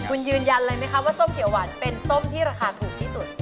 คุณยืนยันเลยไหมคะว่าส้มเขียวหวานเป็นส้มที่ราคาถูกที่สุด